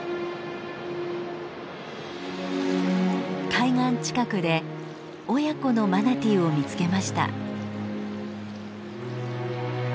海岸近くで親子のマナティーを見つけました。